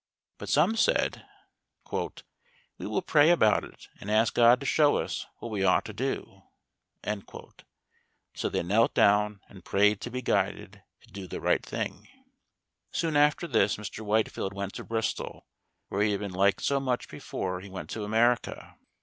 But some said: "We will pray about it, and ask God to show us what we ought to do." So they knelt down and prayed to be guided to do the right thing. Soon after this Mr. Whitefield went to Bristol, where he had been liked so much before he went to America.